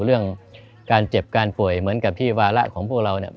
เรื่องการเจ็บการป่วยเหมือนกับที่วาระของพวกเราเนี่ย